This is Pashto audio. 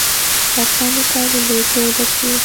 او کندې ته د لوېدو ده چې